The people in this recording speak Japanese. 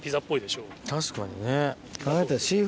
確かにね。